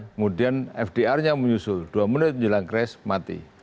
kemudian fdr nya menyusul dua menit menjelang crash mati